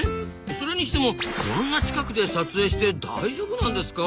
それにしてもこんな近くで撮影して大丈夫なんですか？